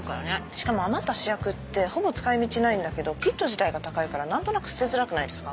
しかも余った試薬ってほぼ使い道ないんだけどキット自体が高いから何となく捨てづらくないですか？